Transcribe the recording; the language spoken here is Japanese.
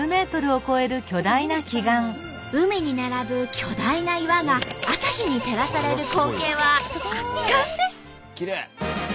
海に並ぶ巨大な岩が朝日に照らされる光景は圧巻です。